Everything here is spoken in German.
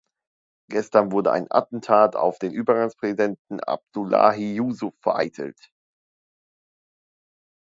Gestern wurde ein Attentat auf den Übergangspräsidenten Abdullahi Yusuf vereitelt.